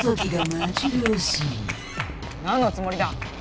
なんのつもりだ！